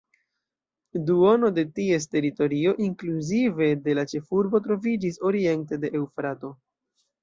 Duono de ties teritorio, inkluzive de la ĉefurbo, troviĝis oriente de Eŭfrato.